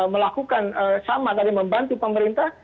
melakukan sama tadi membantu pemerintah